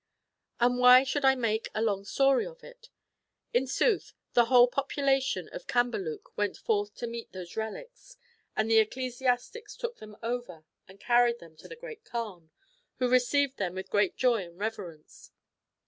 And why should I make a long story of it? In sooth, the whole population of Cambaluc went forth to meet those reliques, and the ecclesiastics took them over and carried them to the Great Kaan, who received them with great joy and reverence.